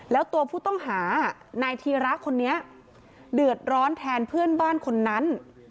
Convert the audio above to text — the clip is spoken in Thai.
แล้วตัวผู้ต้องหานายธีระคนนี้เดือดร้อนแทนเพื่อนบ้านคนนั้น